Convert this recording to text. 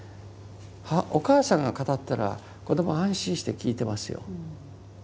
お母さんが語ったら子どもは安心して聞いてますよ。